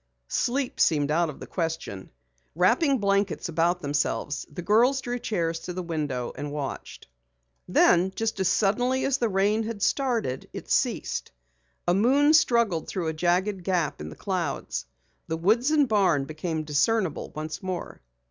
Sleep seemed out of the question. Wrapping blankets about them, the girls drew chairs to the window and watched. Then as suddenly as the rain had started, it ceased. A moon struggled through a jagged gap of the clouds. The woods and the barn became discernible once more.